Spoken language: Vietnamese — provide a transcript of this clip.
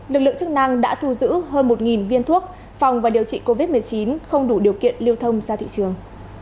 lực lượng chức năng đã thu giữ hơn một viên thuốc phòng và điều trị covid một mươi chín không đủ điều kiện lưu thông ra thị trường